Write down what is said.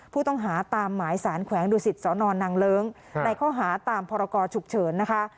ผู้ต้องหาตามหมายสารแขวงดุสิตสนนางเลิ้งในข้อหาตามพรกรฉุกเฉินนะคะ